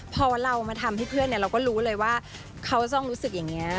พอเรามาทำให้เพื่อนเราก็รู้เลยว่าเขาจะต้องรู้สึกอย่างนี้